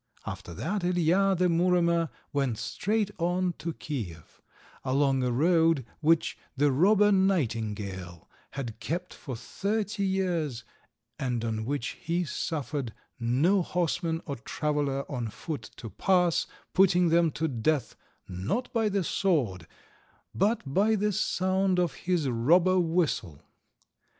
After that Ilija, the Muromer, went straight on to Kiev, along a road which the Robber Nightingale had kept for thirty years, and on which he suffered no horseman or traveller on foot to pass, putting them to death, not by the sword, but by the sound of his robber whistle.